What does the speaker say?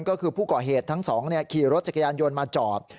ก็คือผู้ก่อเหตุทั้งสองขี่รถจักรยานยนต์มาจอด